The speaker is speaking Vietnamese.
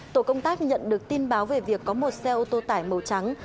tổ công tác nhận được tin báo về việc có một xe ô tô tải màu trắng